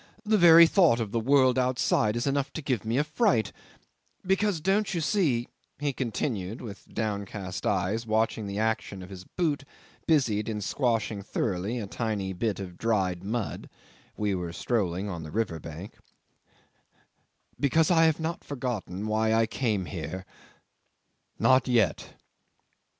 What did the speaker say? The very thought of the world outside is enough to give me a fright; because, don't you see," he continued, with downcast eyes watching the action of his boot busied in squashing thoroughly a tiny bit of dried mud (we were strolling on the river bank) "because I have not forgotten why I came here. Not yet!"